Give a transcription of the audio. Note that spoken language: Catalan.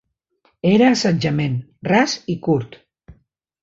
Era assetjament, ras i curt.